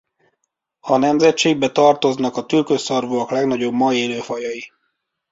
A nemzetségbe tartoznak a tülkösszarvúak legnagyobb ma élő fajai.